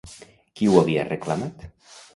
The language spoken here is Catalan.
Qui ho havia reclamat?